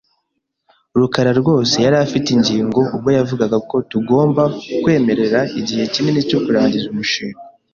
rukara rwose yari afite ingingo ubwo yavugaga ko tugomba kwemerera igihe kinini cyo kurangiza umushinga .